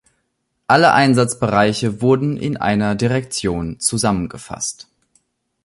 Alle Einsatzbereiche wurden in einer Direktion zusammengefasst.